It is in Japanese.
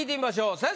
先生！